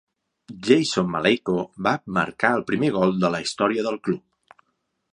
Jason Maleyko va marcar el primer gol de la història del club.